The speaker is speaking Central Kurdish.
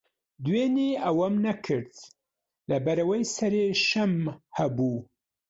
دوێنێ ئەوەم نەکرد، لەبەرەوەی سەرێشەم ھەبوو.